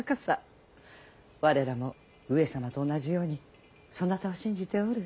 我らも上様と同じようにそなたを信じておる。